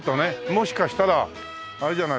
もしかしたらあれじゃないですか？